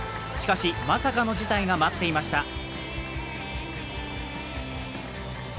しかし、まさかの事態が待っていました。